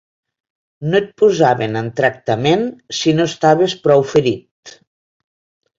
No et posaven en tractament si no estaves prou ferit